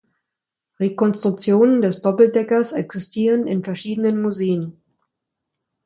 Rekonstruktionen des Doppeldeckers existieren in verschiedenen Museen.